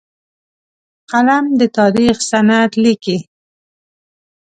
قلم د تاریخ سند لیکي